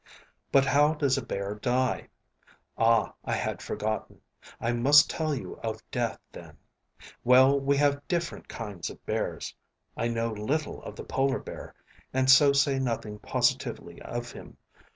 But how does a bear die? Ah, I had forgotten. I must tell you of death, then. Well, we have different kinds of bears. I know little of the Polar bear, and so say nothing positively of him.